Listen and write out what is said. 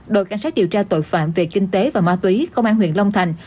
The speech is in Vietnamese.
đội cảnh sát điều tra tội phạm về kinh tế và ma túy công an huyện long thành